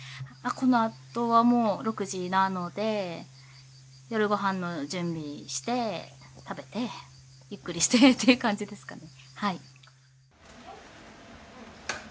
このあとはもう６時なので夜ご飯の準備して食べてゆっくりしてっていう感じですかね。